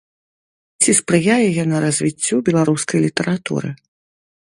Ці спрыяе яна развіццю беларускай літаратуры?